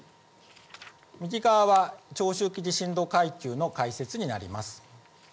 右側は長周期地震動階級の解説になります。